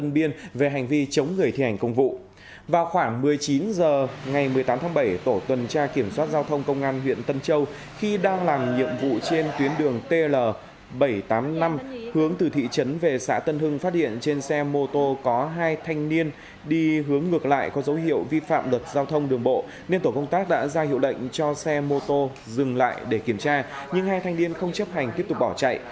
bây giờ ngày một mươi tám tháng bảy tổ tuần tra kiểm soát giao thông công an huyện tân châu khi đang làm nhiệm vụ trên tuyến đường tl bảy trăm tám mươi năm hướng từ thị trấn về xã tân hưng phát hiện trên xe mô tô có hai thanh niên đi hướng ngược lại có dấu hiệu vi phạm đợt giao thông đường bộ nên tổ công tác đã ra hiệu đệnh cho xe mô tô dừng lại để kiểm tra nhưng hai thanh niên không chấp hành tiếp tục bỏ chạy